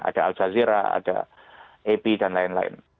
ada al jazeera ada happy dan lain lain